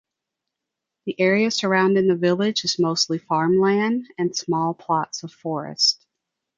The area surrounding the village is mostly farmland and small plots of forest.